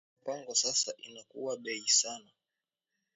Ma mpango sasa inakuwa beyi sana